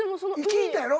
聞いたやろ？